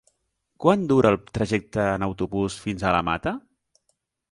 Quant dura el trajecte en autobús fins a la Mata?